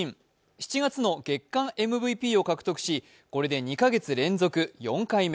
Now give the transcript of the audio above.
７月の月間ＭＶＰを獲得しこれで２か月連続４回目。